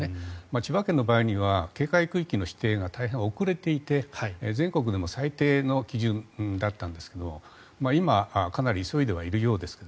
千葉県の場合には警戒区域の指定が大変遅れていて全国でも最低の基準だったんですが今かなり急いではいるようですが。